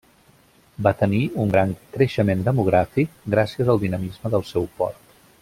Va tenir un gran creixement demogràfic gràcies al dinamisme del seu port.